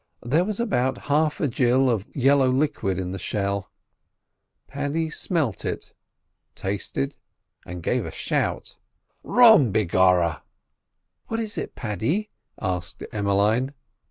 There was about half a gill of yellow liquid in the shell. Paddy smelt it, tasted, and gave a shout. "Rum, begorra!" "What is it, Paddy?" asked Emmeline.